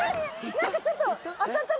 何かちょっと。